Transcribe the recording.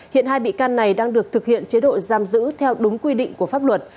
hiện hai bị can này đang được thực hiện chế độ giam giữ theo đúng quy định của pháp luật